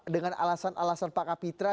dengan alasan alasan pak kapitra